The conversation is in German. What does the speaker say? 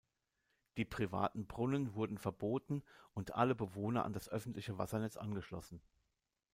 Die privaten Brunnen wurden verboten und alle Bewohner an das öffentliche Wassernetz angeschlossen.